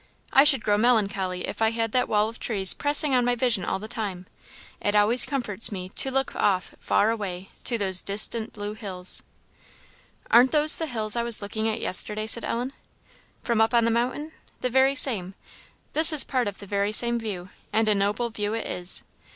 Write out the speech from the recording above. I should grow melancholy if I had that wall of trees pressing on my vision all the time; it always comforts me to look off, far away, to those distant blue hills." "Aren't those the hills I was looking at yesterday?" said Ellen. "From up on the mountain? the very same; this is part of the very same view, and a noble view it is.